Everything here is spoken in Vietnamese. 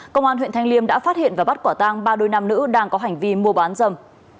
công an huyện thanh liêm đã phát hiện và bắt quả tang ba đôi nam nữ đang có hành vi mua bán dâm